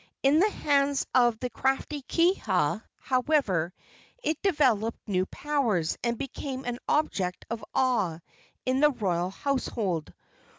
In the hands of the crafty Kiha, however, it developed new powers and became an object of awe in the royal household.